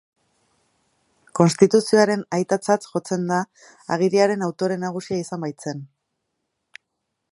Konstituzioaren aitatzat jotzen da, agiriaren autore nagusia izan baitzen.